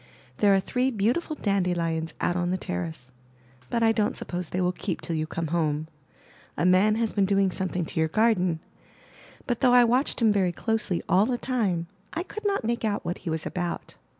There are three beautiful dandelions out on the terrace, but I don't suppose they will keep till you come home. A man has been doing something to your garden, but though I watched him very closely all the time, I could not make out what he was about.